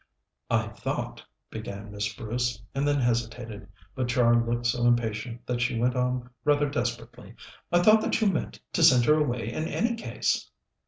"I thought," began Miss Bruce, and then hesitated, but Char looked so impatient that she went on rather desperately "I thought that you meant to send her away in any case?"